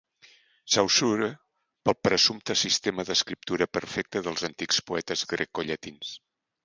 Saussure pel presumpte sistema d'escriptura perfecta dels antics poetes grecollatins.